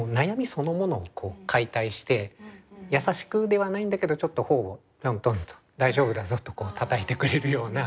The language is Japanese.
そのものを解体して優しくではないんだけどちょっと頬をトントンと「大丈夫だぞ」とたたいてくれるような。